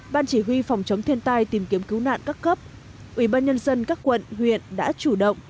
ban chỉ huy phòng chống thiên tai tìm kiếm cứu nạn các cấp ủy ban nhân dân các quận huyện đã chủ động